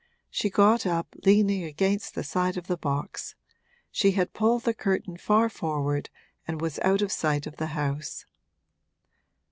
She got up, leaning against the side of the box; she had pulled the curtain far forward and was out of sight of the house.